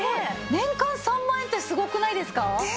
年間３万円ってすごくないですか？